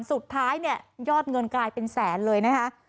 สุดท้ายเนี่ยยอดเงินกลายเป็นแสนเลยนะคะ